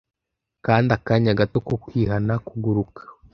kandi akanya gato ko kwihana kuguruka